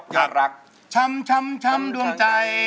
ย่อรักชำชำชำดวงใจ